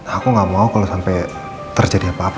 aku gak mau kalau sampai terjadi apa apa